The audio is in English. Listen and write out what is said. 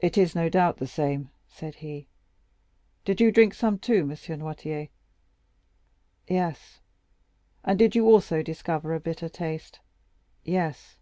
"It is no doubt the same," said he. "Did you drink some too, M. Noirtier?" "Yes." "And did you also discover a bitter taste?" "Yes."